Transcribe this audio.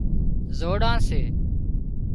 زوڙان سي